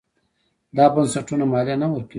دا بنسټونه مالیه نه ورکوي.